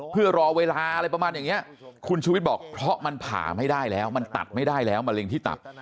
เพื่อรอเวลาอะไรประมาณอย่างนี้คุณชูวิทย์บอกเพราะมันผ่าไม่ได้แล้วมันตัดไม่ได้แล้วมะเร็งที่ตับ